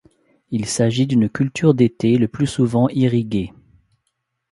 Il s'agit d'une culture d'été le plus souvent irriguée.